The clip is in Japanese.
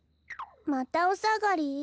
またおさがり？